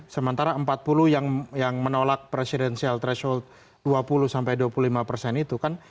sementara empat puluh yang menolak presidensial threshold dua puluh sampai dua puluh lima persen itu kan